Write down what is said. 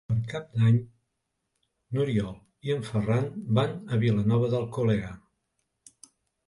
Per Cap d'Any n'Oriol i en Ferran van a Vilanova d'Alcolea.